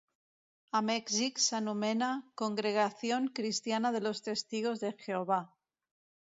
A Mèxic s'anomena "Congregación Cristiana de los Testigos de Jehová".